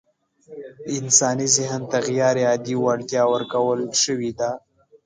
انساني ذهن ته غيرعادي وړتيا ورکول شوې ده.